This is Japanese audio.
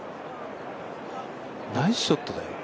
ナイスショットだよ。